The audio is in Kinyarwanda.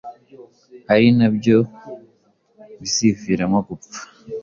ari na byo biziviramo gupfa